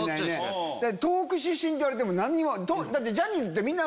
東北出身っていわれても何にも。